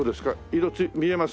色見えます？